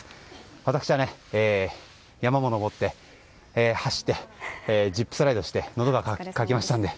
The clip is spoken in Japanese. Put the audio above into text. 私は、山を登って走ってジップスライドしてのどが渇きましたので。